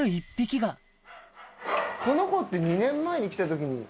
この子って２年前に来た時に。